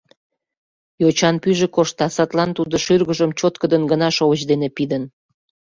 йочан пӱйжӧ коршта, садлан тудо шӱргыжым чоткыдын гына шовыч дене пидын.